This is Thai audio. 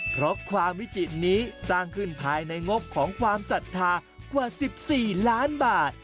เพราะความวิจิตนี้สร้างขึ้นภายในงบของความศรัทธากว่า๑๔ล้านบาท